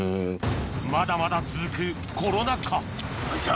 まだまだ続くコロナ禍よいしょ。